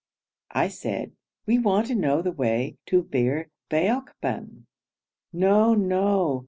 I said, 'We want to know the way to Bir Baokban.' 'No, no!